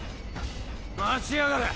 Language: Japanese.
待ちやがれ。